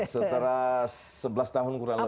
setelah sebelas tahun kurang lebih